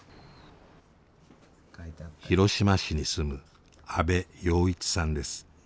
広島市に住む安部暢一さんです。